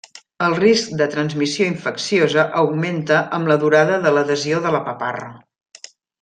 El risc de transmissió infecciosa augmenta amb la durada de l’adhesió de la paparra.